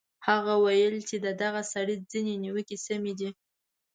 هغه ویل چې د دغه سړي ځینې نیوکې سمې دي.